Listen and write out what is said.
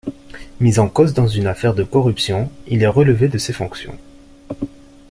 Mis en cause dans une affaire de corruption il est relevé de ses fonctions.